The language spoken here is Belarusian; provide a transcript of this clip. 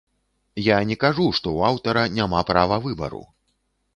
Я не кажу, што ў аўтара няма права выбару.